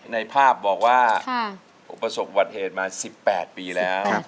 ในภาพบอกว่าประสบวัติเหตุมา๑๘ปีแล้ว